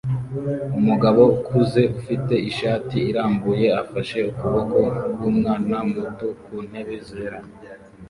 Umugabo ukuze ufite ishati irambuye afashe ukuboko kwumwana muto ku ntebe zera